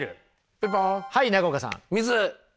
ピンポン。